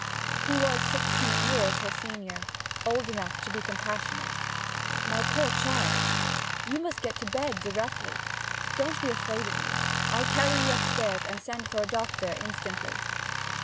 He was sixteen years her senior; old enough to be compassionate. 'My poor child, you must get to bed directly! Don't be afraid of me I'll carry you upstairs, and send for a doctor instantly.'